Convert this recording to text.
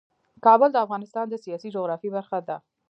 کابل د افغانستان د سیاسي جغرافیه برخه ده.